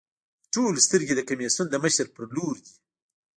د ټولو سترګې د کمېسیون د مشر په لور دي.